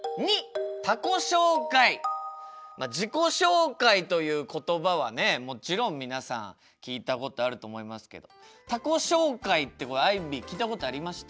まあ「自己紹介」という言葉はねもちろん皆さん聞いたことあると思いますけど「他己紹介」ってこれアイビー聞いたことありました？